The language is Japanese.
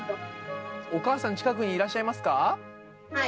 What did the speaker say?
お母さん、近くにいらっしゃはい。